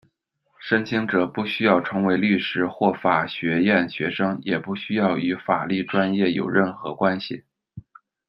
申请者不需要成为律师或法学院学生，也不需要与法律专业有任何关系。